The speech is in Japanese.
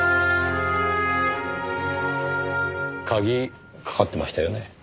鍵かかってましたよね？